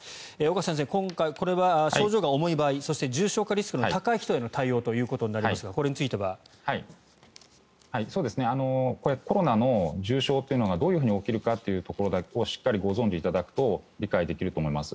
岡先生、これは症状が重い場合そして重症化リスクの高い人への対応ということになりますがコロナの重症というのがどういうふうに起きるかというところをしっかりご存じいただくと理解できると思います。